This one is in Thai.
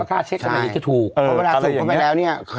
ก็ถูกเพราะเวลาสุดท้วยไปแล้วเนี่ย